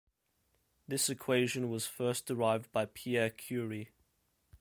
This equation was first derived by Pierre Curie.